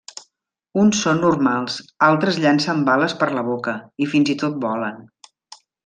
Uns són normals, altres llancen bales per la boca, i fins i tot volen.